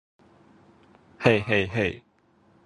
This was the first season of the Miami Heat and Charlotte Hornets.